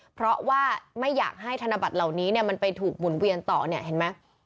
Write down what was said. เพราะว่าไม่อยากให้ธนบัตรเหล่านี้เนี่ยมันไปถูกหมุนเวียนต่อเนี่ยเห็นไหม